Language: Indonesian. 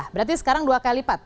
berarti sekarang dua kali lipat